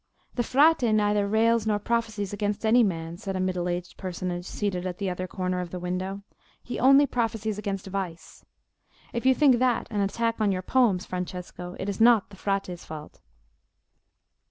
"The Frate neither rails nor prophesies against any man," said a middle aged personage seated at the other corner of the window; "he only prophesies against vice. If you think that an attack on your poems, Francesco, it is not the Frate's fault."